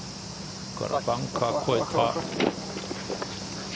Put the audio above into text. これはバンカー越えた。